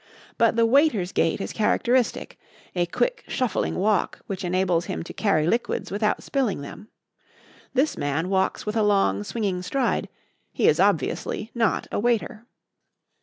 But the waiter's gait is characteristic a quick, shuffling walk which enables him to carry liquids without spilling them. This man walks with a long, swinging stride; he is obviously not a waiter.